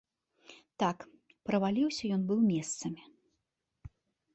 Так, праваліўся ён быў месцамі.